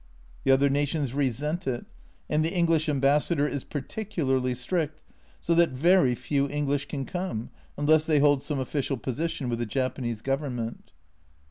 The other nations resent it, and the English Ambassador is particularly strict, so that very few English can come unless they hold some official position with the Japanese Government.